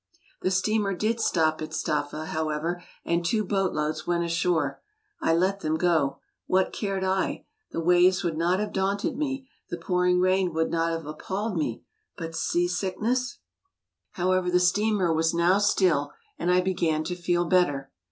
The steamer did stop at Staffa, however, and two boat loads went ashore. I let them go. What cared I.' The waves would not have daunted me, the pouring rain would not have appalled me, but seasickness! D,i„Mb, Google However, the steamer was now still and I began to feel bener.